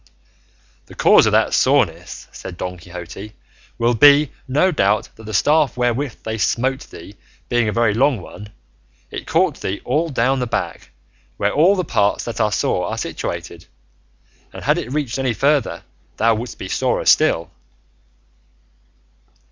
"The cause of that soreness," said Don Quixote, "will be, no doubt, that the staff wherewith they smote thee being a very long one, it caught thee all down the back, where all the parts that are sore are situated, and had it reached any further thou wouldst be sorer still."